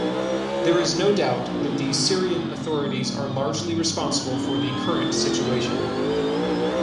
There is no doubt that the Syrian authorities are largely responsible for the current situation.